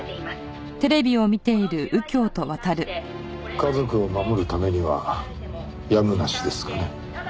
家族を守るためにはやむなしですかね。